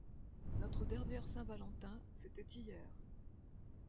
Notre dernière Saint-Valentin, c’était hier.